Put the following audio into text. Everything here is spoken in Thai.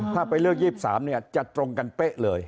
ถ้าไปเลือก๒๓จะตรงกันเป๊ะเลย